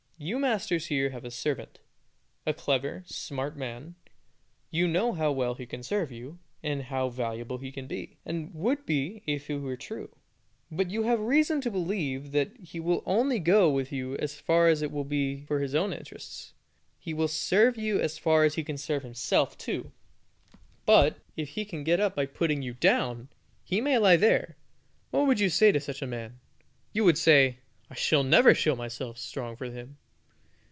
You masters here have a servant a clever, smart man; you know how well he can serve you, and how valuable he can be, and would be if he were true; but you have reason to believe that he will only go with you as far as it will be for his own interests; he will serve you as far as he can serve himself, too, but, if he can get up by putting you down, you may lie there. What would you say to such a man? You would say, "I shall never show myself strong for him."